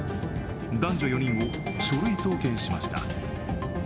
男女４人を書類送検しました。